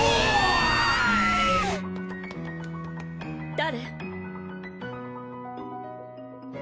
誰？